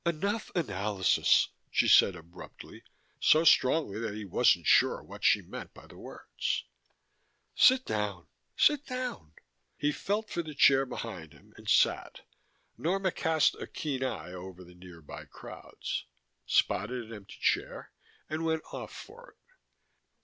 "Enough analysis," she said abruptly, so strongly that he wasn't sure what she meant by the words. "Sit down sit down." He felt for the chair behind him and sat. Norma cast a keen eye over the nearby crowds, spotted an empty chair and went off for it.